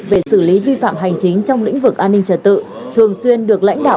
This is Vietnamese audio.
về xử lý vi phạm hành chính trong lĩnh vực an ninh trật tự thường xuyên được lãnh đạo